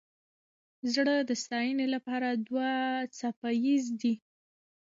زړه د ستاینې لپاره دوه څپه ایز دی.